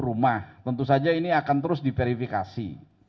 rumah tentu saja ini akan terus diverifikasi